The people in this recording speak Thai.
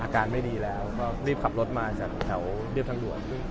ชิคกี้พายรีบขับรถมาจากแถวเปรี้ยวทางด่วน